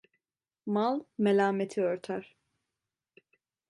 Mal melâmeti örter.